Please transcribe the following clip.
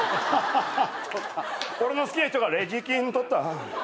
俺の好きな人がレジ金取った。